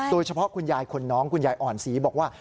โดยเฉพาะคุณยายคนน้องคุณยายอ่อนสีบอกว่า